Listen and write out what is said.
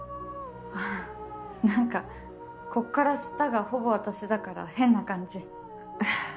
ああ何かこっから下がほぼ私だから変な感じ。